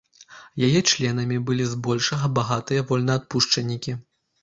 Яе членамі былі з большага багатыя вольнаадпушчанікі.